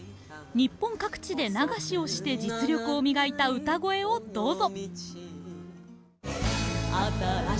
日本各地で「流し」をして実力を磨いた歌声をどうぞ！